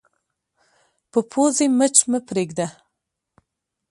په پوزې مچ مه پرېږده